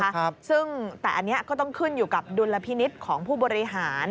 ครับซึ่งแต่อันนี้ก็ต้องขึ้นอยู่กับดุลพินิษฐ์ของผู้บริหาร